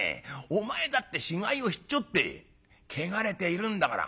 お前だって死骸をひっちょって汚れているんだから。